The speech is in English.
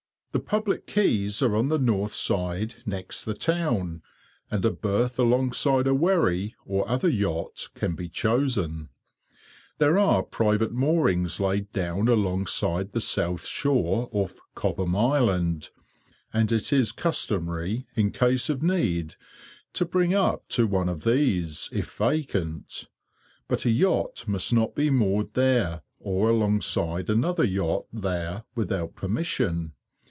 The public quays are on the north side next the town, and a berth alongside a wherry or other yacht can be chosen. There are private moorings laid down alongside the south shore off "Cobholm Island," and it is customary, in case of need, to bring up to one of these, if vacant; but a yacht must not be moored there, or alongside another yacht there, without permission.